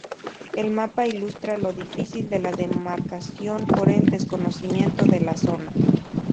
El mapa ilustra lo difícil de la demarcación por el desconocimiento de la zona.